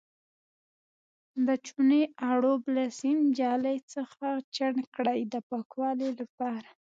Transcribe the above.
د چونې اړوب له سیم جالۍ څخه چاڼ کړئ د پاکوالي لپاره.